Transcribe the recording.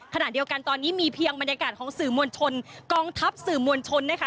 ขณะเดียวกันตอนนี้มีเพียงบรรยากาศของสื่อมวลชนกองทัพสื่อมวลชนนะคะ